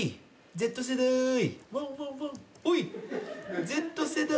Ｚ世代。